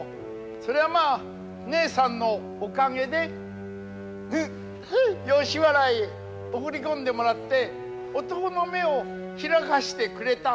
そりゃまあねえさんのおかげでフフ吉原へ送り込んでもらって男の目を開かしてくれた。